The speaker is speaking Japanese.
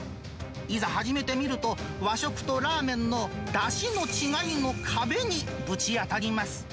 いざ始めてみると、和食とラーメンのだしの違いの壁にぶち当たります。